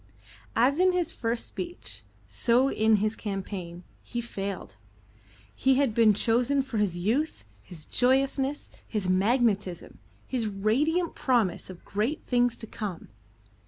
As in his first speech, so in his campaign, he failed. He had been chosen for his youth, his joyousness, his magnetism, his radiant promise of great things to come.